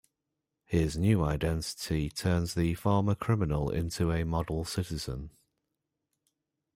His new identity turns the former criminal into a model citizen.